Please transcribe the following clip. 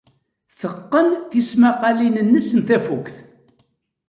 Teqqen tismaqalin-nnes n tafukt.